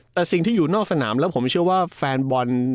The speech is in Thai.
แต่สิ่งที่อยู่นอกสนามแล้วผมเชื่อว่าแฟนบอล